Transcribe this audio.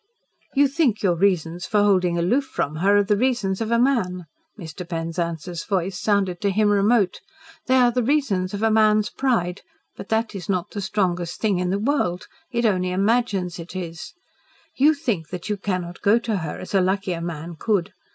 "You think your reasons for holding aloof from her are the reasons of a man." Mr. Penzance's voice sounded to him remote. "They are the reasons of a man's pride but that is not the strongest thing in the world. It only imagines it is. You think that you cannot go to her as a luckier man could.